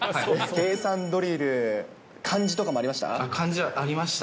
計算ドリル、漢字とかもありました？